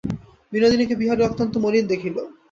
বিনোদিনীকে বিহারী অত্যন্ত মলিন দেখিল।